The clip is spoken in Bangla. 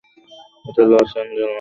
এটা লস অ্যাঞ্জেলস!